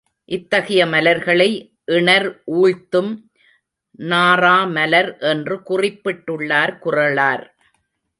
இத்தகைய மலர்களை, இணர் ஊழ்த்தும் நாறாமலர் என்று குறிப்பிட்டுள்ளார் குறளார்.